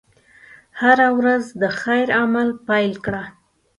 هره ورځ د خیر عمل پيل کړه.